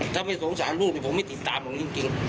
ถ้าไม่สงสารลูกผมไม่ติดตามผมจริง